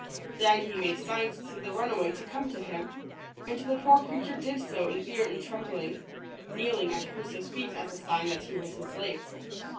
Then he made signs to the runaway to come to him, and the poor creature did so in fear and trembling, kneeling at Crusoe's feet as a sign that he was his slave.